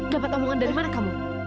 dapat omongan dari mana